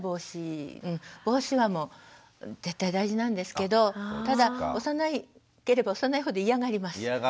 帽子はもう絶対大事なんですけどただ幼ければ幼いほど嫌がります。